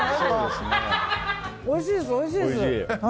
おいしいです、おいしいです。